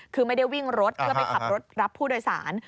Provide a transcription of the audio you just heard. คือไม่ได้วิ่งรถเพื่อไปขับรถรับผู้โดยสาร